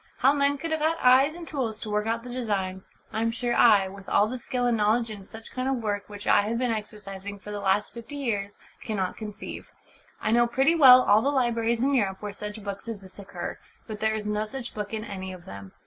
How men could have had eyes and tools to work out the designs, I am sure I, with all the skill and knowledge in such kind of work which I have been exercising for the last fifty years, cannot conceive. I know pretty well all the libraries in Europe where such books as this occur, but there is no such book in any of them.